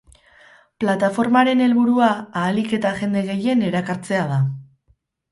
Plataformaren helburua ahalik eta jende gehien erakartzea da.